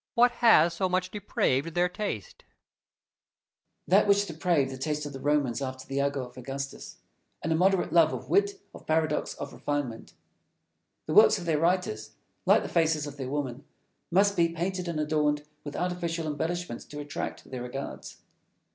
What has so much depraved their taste? Fenelon. That which depraved the taste of the Romans after the ago of Augustus an immoderate love of wit, of paradox, of refinement. The works of their writers, like the faces of their women, must be painted and adorned with artificial embellishments to attract their regards.